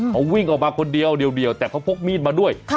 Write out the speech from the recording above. เขาวิ่งออกมาคนเดียวเดียวแต่เขาพกมีดมาด้วย